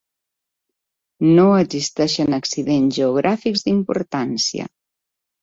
No existeixen accidents geogràfics d'importància.